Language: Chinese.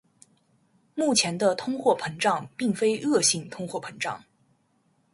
目前的通货膨胀并非恶性通货膨胀。